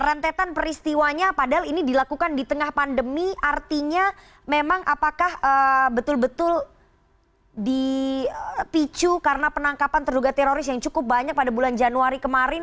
rentetan peristiwanya padahal ini dilakukan di tengah pandemi artinya memang apakah betul betul dipicu karena penangkapan terduga teroris yang cukup banyak pada bulan januari kemarin